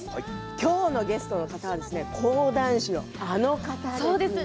今日のゲストの方は講談師のあの方です。